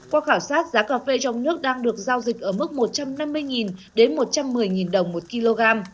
qua khảo sát giá cà phê trong nước đang được giao dịch ở mức một trăm năm mươi đến một trăm một mươi đồng một kg